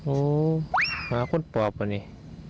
โอ้วหมาคนปลอบอ่ะนี่